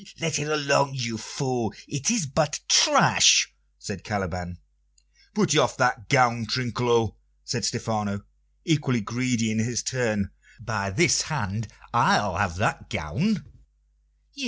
"Let it alone, you fool; it is but trash!" said Caliban. "Put off that gown, Trinculo," said Stephano, equally greedy in his turn. "By this hand, I'll have that gown!"